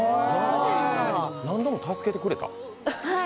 何度も助けてくれた？